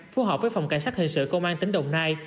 phù hợp với phòng cảnh sát hình sự công an tỉnh đồng nai